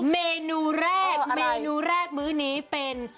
เมนูแรกมื้อนี้เป็น